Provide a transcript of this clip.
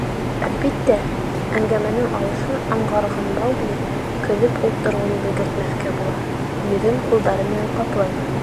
Әлбиттә, әңгәмәнең айышын аңғарған Маугли, көлөп ултырыуын белгертмәҫкә була, йөҙөн ҡулдары менән ҡаплай.